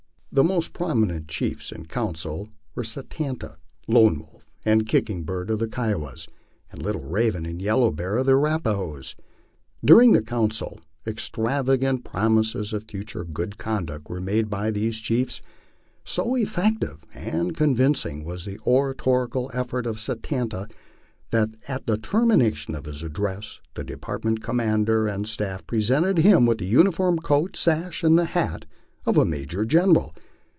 The most prominent chiefs in council were Satanta, Lone \Yolf, and Kick ing Bird of the Kiowas, and Little Raven and Yellow Bear of the Arrapahoes. During the council extravagant promises of future good conduct were made by these chiefs. So effective and convincing was the oratorical effort of Satanta, that at the termination of his address the department commander and staff presented him with the uniform coat, sash, and hat of a major general.